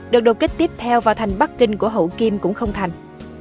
đợt đột kích tiếp theo vào thành bắc kinh của hậu kim cũng không thành